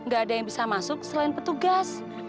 gak ada yang bisa masuk selain petugas